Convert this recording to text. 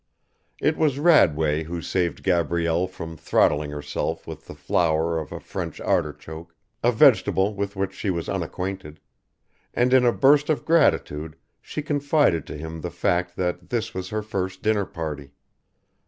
It was Radway who saved Gabrielle from throttling herself with the flower of a French artichoke, a vegetable with which she was unacquainted, and in a burst of gratitude she confided to him the fact that this was her first dinner party.